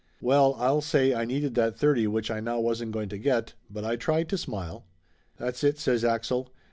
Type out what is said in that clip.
Well, I'll say I needed that thirty which I now wasn't going to get, but I tried to smile. "That's it!" says Axel.